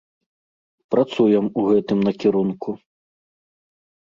Працуем у гэтым накірунку.